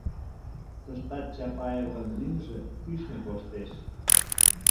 Тыштат Чапаевын лӱмжӧ кӱшнӧ коштеш.